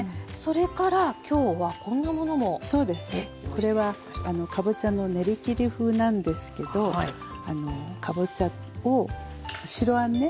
これはかぼちゃの練りきり風なんですけどかぼちゃを白あんね